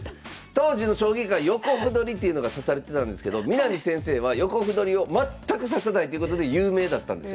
当時の将棋界横歩取りというのが指されてたんですけど南先生は横歩取りを全く指さないということで有名だったんですよ。